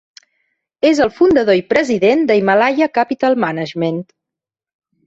És el fundador i president de Himalaya Capital Management.